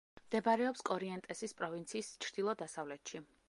მდებარეობს კორიენტესის პროვინციის ჩრდილო-დასავლეთში.